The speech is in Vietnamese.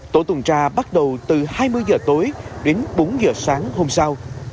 tổ tuần tra bắt đầu từ hai mươi h tối đến bốn h sáng hôm sau